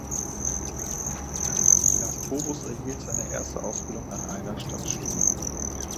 Jacobus erhielt seine erste Ausbildung an einer Stadtschule.